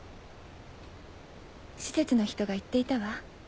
施設の人が言っていたわ。